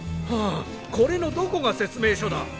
はあこれのどこが説明書だ？